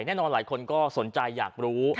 แน่นอนหลายคนก็สนใจอยากรู้